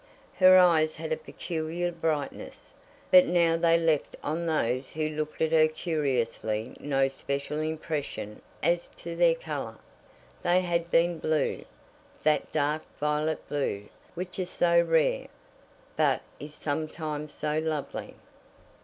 Her eyes had a peculiar brightness, but now they left on those who looked at her cursorily no special impression as to their colour. They had been blue, that dark violet blue, which is so rare, but is sometimes so lovely.